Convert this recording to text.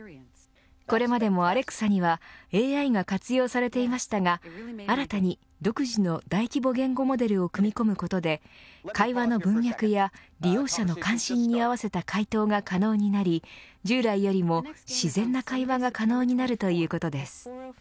これまでもアレクサにはＡＩが活用されていましたが新たに独自の大規模言語モデルを組み込むことで会話の文脈や利用者の関心に合わせた回答が可能になり、従来よりも自然な会話が可能になるということです。